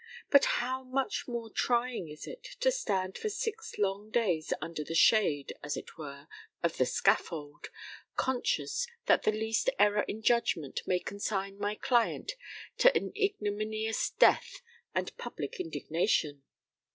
But how much more trying is it to stand for six long days under the shade, as it were, of the scaffold, conscious that the least error in judgment may consign my client to an ignominious death and public indignation!